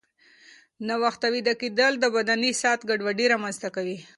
ناوخته ویده کېدل د بدني ساعت ګډوډي رامنځته کوي.